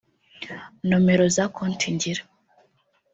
nomero za konti ngira